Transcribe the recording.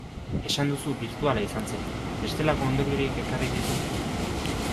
Esan duzu birtuala izan zela, bestelako ondoriorik ekarri dizu?